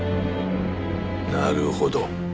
なるほど。